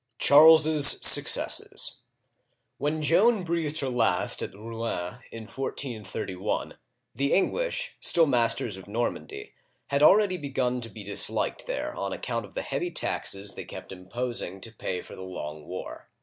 CHARLES'S SUCCESSES WHEN Joan breathed her last at Rouen in 143 1, the English, still masters of Normandy, had already begun to be disliked there on account of the heavy taxes they kept imposing to pay for the long war.